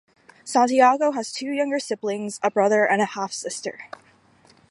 Santiago has two younger siblings, a brother and a half-sister.